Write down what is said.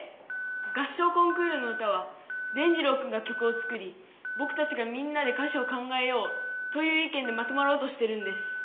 合唱コンクールの歌は伝じろうくんが曲を作りぼくたちがみんなで歌詞を考えようという意見でまとまろうとしてるんです。